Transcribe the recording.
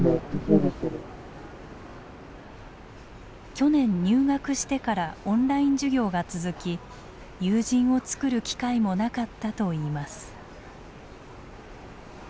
去年入学してからオンライン授業が続き友人をつくる機会もなかったといいます。